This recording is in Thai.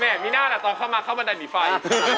แหม่มีหน้าอ่ะตอนเข้ามาเข้ามาเดินมีไฟ